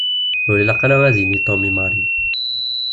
Ur ilaq ara ad yini Tom i Mary.